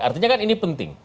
artinya kan ini penting